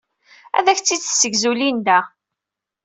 Ad ak-tt-id-tessegzu Linda.